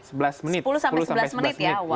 sepuluh sampai sebelas menit ya awal